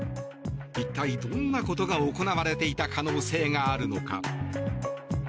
一体どんなことが行われていた可能性があるのか。